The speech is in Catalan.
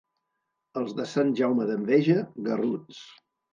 Els de Sant Jaume d'Enveja, garruts.